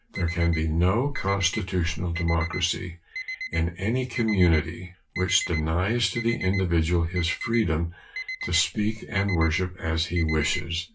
There can be no constitutional democracy in any community which denies to the individual his freedom to speak and worship as he wishes.